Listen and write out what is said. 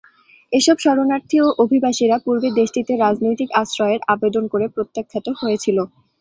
এসব শরণার্থী ও অভিবাসীরা পূর্বে দেশটিতে রাজনৈতিক আশ্রয়ের আবেদন করে প্রত্যাখ্যাত হয়েছিল।